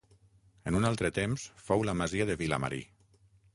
En un altre temps fou la masia de Vilamarí.